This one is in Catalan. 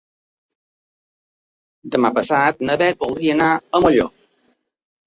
Demà passat na Beth voldria anar a Molló.